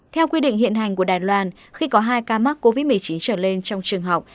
theo quy định hiện hành của đài loan khi có hai ca mắc covid một mươi chín trở lên trong trường học